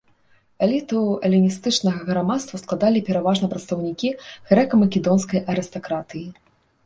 Эліту эліністычнага грамадства складалі пераважна прадстаўнікі грэка-македонскай арыстакратыі.